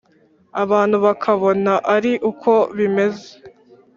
Abantu bakabona ari uko bimeze